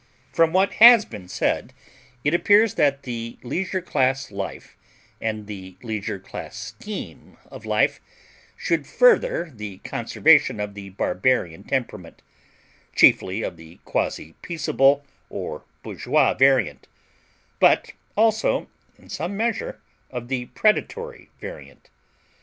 From what has been said, it appears that the leisure class life and the leisure class scheme of life should further the conservation of the barbarian temperament; chiefly of the quasi peaceable, or bourgeois, variant, but also in some measure of the predatory variant.